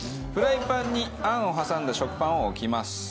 フライパンにあんを挟んだ食パンを置きます。